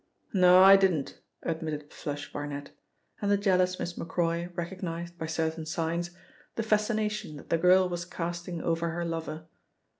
"No, I didn't," admitted 'Flush' Barnet, and the jealous Miss Macroy recognised, by certain signs, the fascination that the girl was casting over her lover.